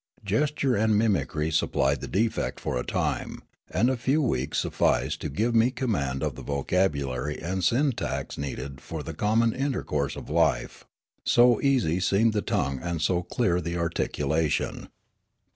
Gesture and mimicry supplied the defect for a time, and a few weeks sufficed to giv^e me command of the vocabulary and syntax needed for the common intercourse of life, so easy seemed the tongue and so clear the articulation.